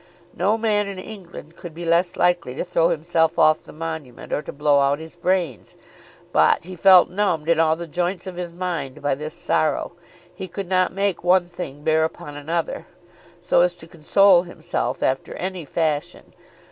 No man in England could be less likely to throw himself off the Monument or to blow out his brains. But he felt numbed in all the joints of his mind by this sorrow. He could not make one thing bear upon another, so as to console himself after any fashion.